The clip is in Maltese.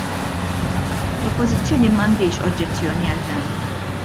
L-Oppożizzjoni m'għandhiex oġġezzjoni għal dan.